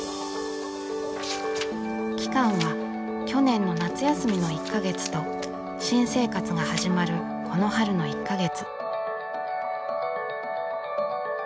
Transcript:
期間は去年の夏休みの１か月と新生活が始まるこの春の１か月。